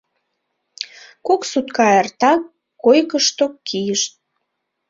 Кок сутка эртак койкышто кийыш.